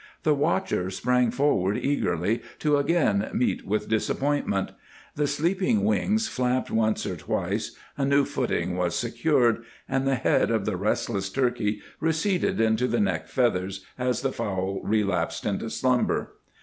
The watcher sprang forward eagerly, to again meet with disappointment. The sleepy wings flapped once or twice, a new footing was secured, and the head of the restless turkey receded into the neck feathers as the fowl relapsed into slumber.